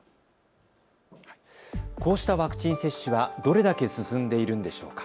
こうしたワクチン接種はどれだけ進んでいるんでしょうか。